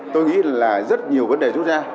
tôi nghĩ là rất nhiều vấn đề rút ra